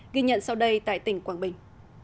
ghi nhận sau đây tại tỉnh quảng bình